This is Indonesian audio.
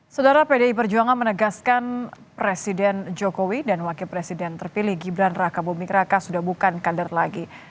saudara pdi perjuangan menegaskan presiden jokowi dan wakil presiden terpilih gibran raka buming raka sudah bukan kader lagi